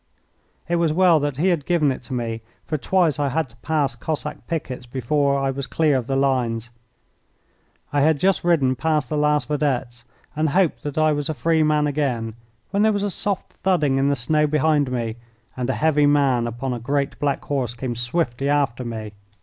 It was well that he had given it to me, for twice I had to pass Cossack pickets before I was clear of the lines. I had just ridden past the last vedettes and hoped that I was a free man again, when there was a soft thudding in the snow behind me, and a heavy man upon a great black horse came swiftly after me.